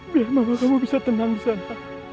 biar mama kamu bisa tenang disana